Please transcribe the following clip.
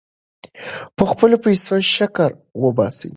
په خپلو پیسو شکر وباسئ.